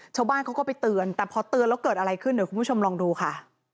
ชาวบ้านเขาก็ไปเตือนแต่พอเตือนแล้วเกิดอะไรขึ้นเดี๋ยวคุณผู้ชมลองดูค่ะ